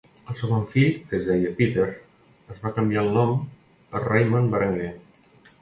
El segon fill, que es deia Peter, es va canviar el nom per Raymond Berenguer.